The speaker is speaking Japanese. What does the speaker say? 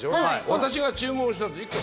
私が注文したやつ。